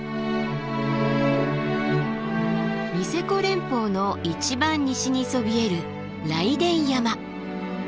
ニセコ連峰の一番西にそびえる雷電山。